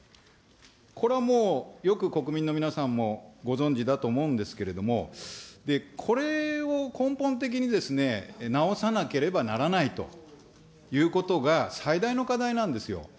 これはもう、よく国民の皆さんもご存じだと思うんですけれども、これを根本的に直さなければならないということが最大の課題なんですよ。